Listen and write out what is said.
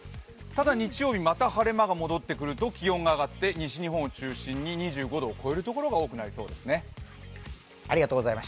ただ、日曜日また晴れ間が戻ってくると気温が上がって西日本を中心に２５度を超える所が多くなります。